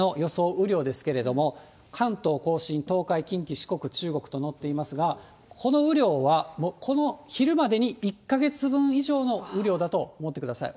雨量ですけれども、関東甲信、東海、近畿、四国、中国となっていますが、この雨量はこの昼までに１か月分以上の雨量だと思ってください。